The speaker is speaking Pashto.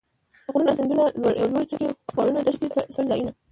غرونه ،سيندونه ،لوړې څوکي ،خوړونه ،دښتې ،څړ ځايونه